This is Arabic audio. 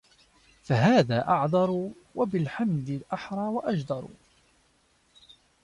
فَهَذَا أَعْذَرُ وَبِالْحَمْدِ أَحْرَى وَأَجْدَرُ